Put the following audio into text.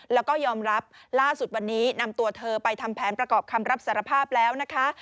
แล้วก็ยอมรับล่าสุดวันนี้นำตัวเธอไปทำแผนประกอบคำรับสารภาพแล้วนะคะ